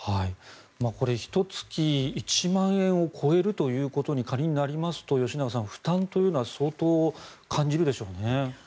これ、ひと月１万円を超えるということに仮になりますと吉永さん、負担というのは相当、感じるでしょうね。